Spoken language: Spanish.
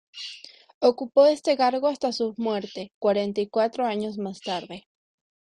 Ocupó este cargo hasta su muerte, cuarenta y cuatro años más tarde.